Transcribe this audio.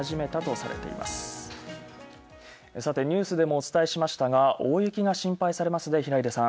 さてニュースでもお伝えしましたが、大雪が心配されますね、平井さん。